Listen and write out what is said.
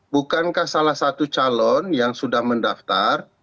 bukankah salah satu calon yang sudah mendaftar